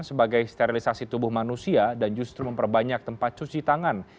sebagai sterilisasi tubuh manusia dan justru memperbanyak tempat cuci tangan